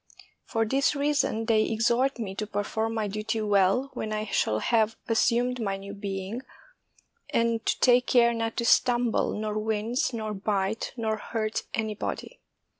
For this rea son they exhort me to perform my duty well, when I shall have assumed my new being, and to take care not to stumble, nor wince, nor bite, nor hurt anybody.